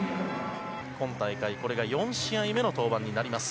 今大会、これが４試合目の登板になります。